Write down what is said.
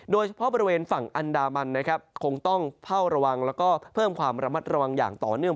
โดยเฉพาะบริเวณฝั่งอันดามันนะครับคงต้องเฝ้าระวังแล้วก็เพิ่มความระมัดระวังอย่างต่อเนื่อง